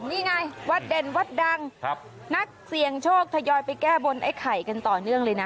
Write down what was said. นี่ไงวัดเด่นวัดดังนักเสี่ยงโชคทยอยไปแก้บนไอ้ไข่กันต่อเนื่องเลยนะ